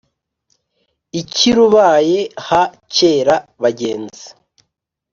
i cyirubaya ha cyera-bagenzi.